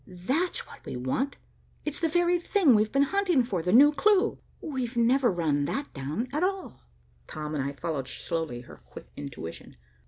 "That's what we want. It's the very thing we've been hunting for, the new clue. We've never run that down, at all." Tom and I followed slowly her quick intuition.